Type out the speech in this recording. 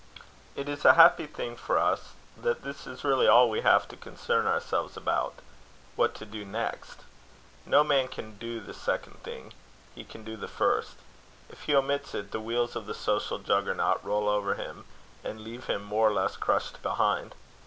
It is a happy thing for us that this is really all we have to concern ourselves about what to do next. No man can do the second thing. He can do the first. If he omits it, the wheels of the social Juggernaut roll over him, and leave him more or less crushed behind.